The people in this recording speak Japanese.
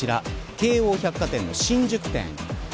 京王百貨店の新宿店。